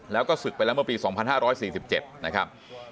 แล้วก็ศึกไปแล้วเมื่อปี๒๕๔๗นะครับ